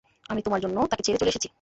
আমি তোমার জন্য তাকে ছেড়ে চলে এসেছি।